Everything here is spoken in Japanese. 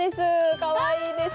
かわいいですね。